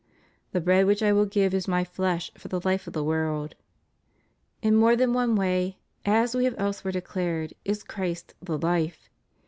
The bread which I mill give is My flesh, for the life of the world} In more than one way, as We have elsewhere declared, is Christ the life.